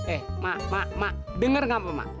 eh ma ma ma denger ngapa ma